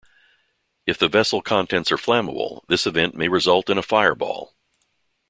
If the vessel contents are flammable, this event may result in a "fireball".